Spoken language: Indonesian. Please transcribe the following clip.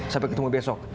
sampai ketemu besok